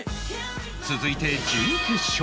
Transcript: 続いて準決勝